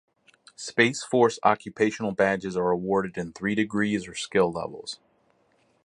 Space Force occupational badges are awarded in three degrees or skill levels.